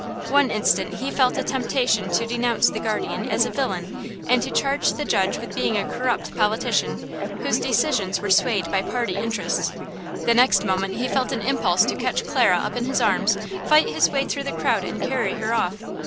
One instant he felt a temptation to denounce the guardian as a villain and to charge the judge with being a corrupt politician, whose decisions were swayed by party interests! The next moment he felt an impulse to catch Clara up in his arms, fight his way through the crowd and carry her off!